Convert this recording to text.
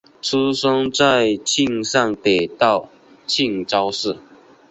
出生在庆尚北道庆州市。